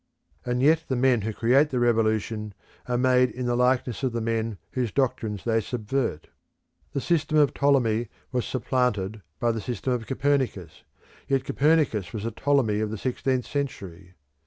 And yet the men who create the revolution are made in the likeness of the men whose doctrines they subvert. The system of Ptolemy was supplanted by the system of Copernicus, yet Copernicus was the Ptolemy of the sixteenth century.